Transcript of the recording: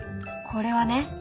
これはね